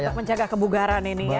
untuk menjaga kebugaran ini ya